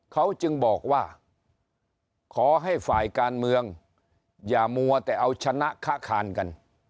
เขาจึงบอกว่าขอให้ฝ่ายการเมืองอย่ามัวแต่เอาชนะค้าคานกัน